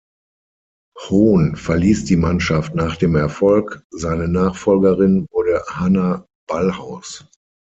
Hohn verließ die Mannschaft nach dem Erfolg, seine Nachfolgerin wurde Hanna Ballhaus.